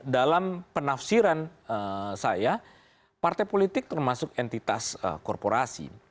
dalam penafsiran saya partai politik termasuk entitas korporasi